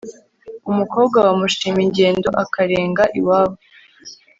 umukobwa bamushima ingendo akarenga iwabo